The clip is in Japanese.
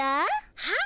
はっ？